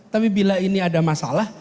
tapi bila ini ada masalah